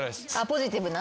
ポジティブな。